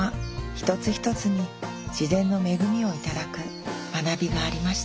一つ一つに自然の恵みを頂く学びがありました